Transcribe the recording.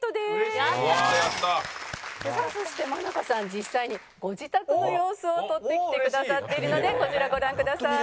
実際にご自宅の様子を撮ってきてくださっているのでこちらご覧ください。